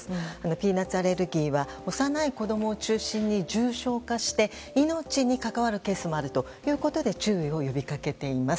ピーナツアレルギーは幼い子供を中心に重症化して、命にかかわるケースもあるということで注意を呼びかけています。